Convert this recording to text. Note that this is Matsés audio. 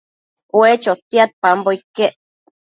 ue chotiadpambo iquec